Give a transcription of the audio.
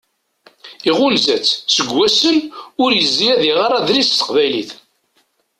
Iɣunza-tt. Seg wassen ur yezzi ad iɣer adlis s teqbaylit.